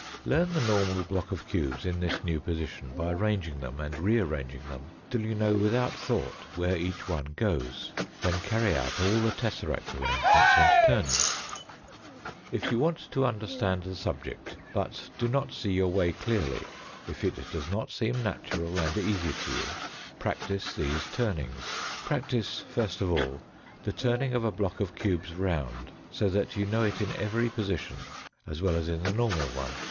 Learn the normal block of cubes in this new position by arranging them and re arranging them till you know without thought where each, one goes. Then carry out all the tesseract arrangements and turnings. If you want to understand the subject, but do not see your way clearly, if it does not seem natural and easy to you, practise these turnings. Practise, first of all, the turning of a block of cubes round, so that you know it in every position as well as in the normal one.